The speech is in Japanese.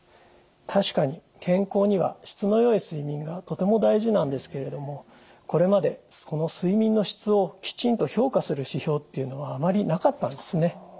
確かに健康には質の良い睡眠がとても大事なんですけれどもこれまでその睡眠の質をきちんと評価する指標っていうのはあまりなかったんですね。